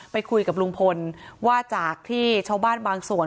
ไปคุยกับลุงพลว่าจากที่ชาวบ้านบางส่วน